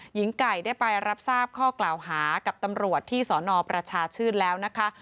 หญิงไก่ได้ไปรับทราบข้อกล่าวหากับตำรวจที่สนประชาชื่นแล้วนะคะ